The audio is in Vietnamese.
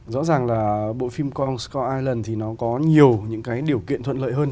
rõ ràng là bộ phim cong scar island thì nó có nhiều những cái điều kiện thuận lợi hơn